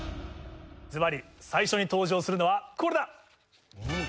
ズバリ最初に登場するのはこれだ！